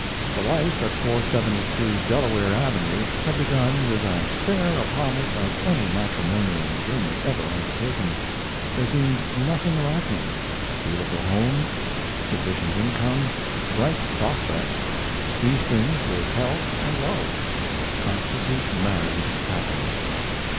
The life at 472 Delaware Avenue had begun with as fair a promise as any matrimonial journey ever undertaken: There seemed nothing lacking: a beautiful home, sufficient income, bright prospects these things, with health and love; constitute married happiness.